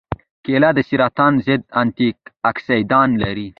کېله د سرطان ضد انتياکسیدان لري.